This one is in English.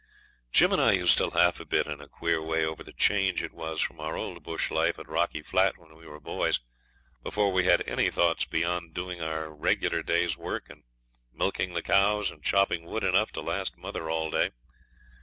Jim and I used to laugh a bit in a queer way over the change it was from our old bush life at Rocky Flat when we were boys, before we had any thoughts beyond doing our regular day's work and milking the cows and chopping wood enough to last mother all day.